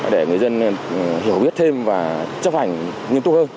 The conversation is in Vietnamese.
để người dân hiểu biết thêm và chấp hành nguyên tục hơn